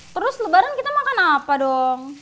terus lebaran kita makan apa dong